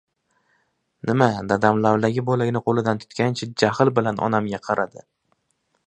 — Nima? — dadam lavlagi bo‘lagini qo‘lida tutgancha jahl bilan onamga qaradi.